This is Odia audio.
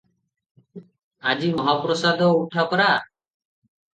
ଆଜି ମହାପ୍ରସାଦ ଉଠା ପରା ।